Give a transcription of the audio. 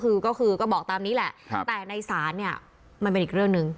คือก็คือก็บอกตามนี้แหละแต่ในศาลเนี่ยมันเป็นอีกเรื่องหนึ่ง